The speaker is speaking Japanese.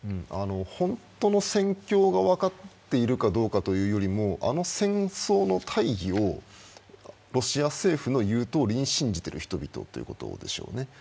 本当の戦況が分かっているかどうかということよりも、あの戦争の大義をロシア政府の言うとおりに信じてる人々ということでしょうね。